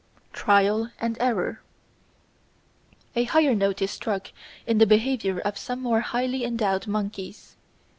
Trial and Error A higher note is struck in the behaviour of some more highly endowed monkeys.